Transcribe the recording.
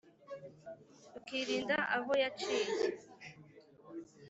Ukirinda aho yaciye,